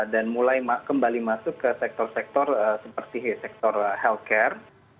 dan mulai kembali masuk ke sektor sektor seperti sektor healthcare